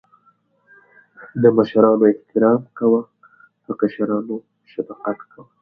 د مشرانو احترام کوه.په کشرانو شفقت کوه